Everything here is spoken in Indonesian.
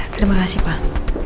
terima kasih pak